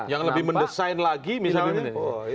yang lebih mendesain lagi misalnya